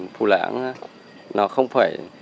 phu lãng nó không phải